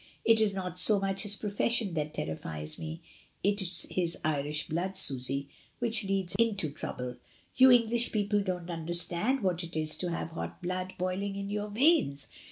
"It is not so much his profession that terrifies me, it's his Irish blood, Susy, which leads him into trouble! You English people don't understand what it is to have hot blood boiling in your veins.